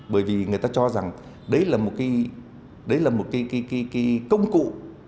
bởi vì người ta cho rằng đấy là một cái công cụ